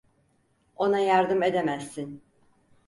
Ona yardım edemezsin.